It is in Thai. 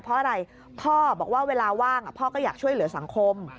เพราะอะไรพ่อบอกว่าเวลาว่างพ่อก็อยากช่วยเหลือสังคม